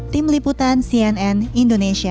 tim liputan cnn indonesia